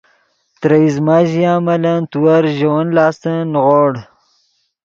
ترے ایزمہ ژیا ملن تیور ژے ون لاستن نیغوڑ